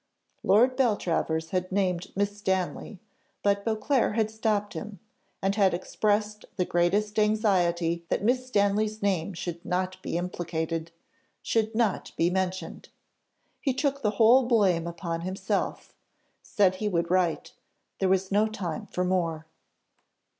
Lord Beltravers had named Miss Stanley, but Beauclerc had stopped him, and had expressed the greatest anxiety that Miss Stanley's name should not be implicated, should not be mentioned. He took the whole blame upon himself said he would write there was no time for more.